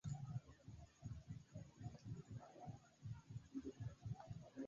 Aliflanke, mi plu sentas min rusiano: mi sekvas la vivon kaj problemojn de Rusio.